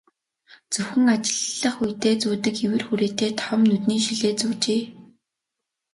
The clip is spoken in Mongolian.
Зөвхөн ажиллах үедээ зүүдэг эвэр хүрээтэй том нүдний шилээ зүүжээ.